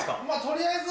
取りあえず。